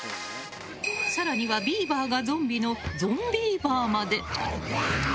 更にはビーバーがゾンビの「ゾンビーバー」まで。